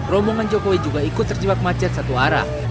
rombongan jokowi juga ikut terjebak macet satu arah